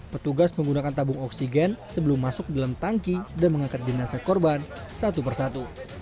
petugas menggunakan tabung oksigen sebelum masuk dalam tangki dan mengangkat jenazah korban satu persatu